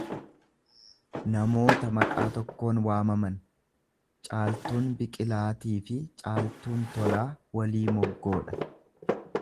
namoota maqaa tokkoon waamaman; Caaltuun Biqilaatiifi Caaltuun Tolaa walii moggoodha.